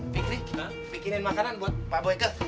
fikri bikinin makanan buat pak boyka